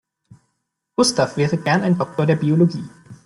Gustav wäre gern ein Doktor der Biologie.